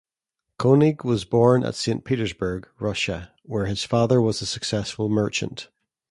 Koenig was born at Saint Petersburg, Russia where his father was a successful merchant.